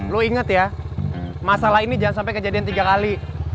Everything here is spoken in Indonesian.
lo inget ya masalah ini jangan sampai kejadian tiga kali